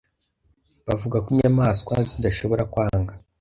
Bavuga ko inyamaswa zidashobora kwanga.